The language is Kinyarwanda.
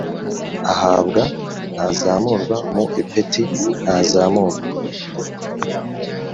Ahabwa ntazamurwa mu ipeti ntazamurwa